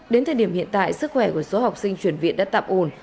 đến thời điểm hiện tại sức khỏe của số học sinh chuyển viện đã tạm ổn